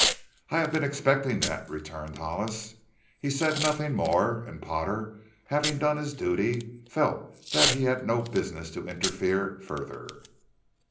"I have been expecting that," returned Hollis. He said nothing more and Potter, having done his duty, felt that he had no business to interfere further.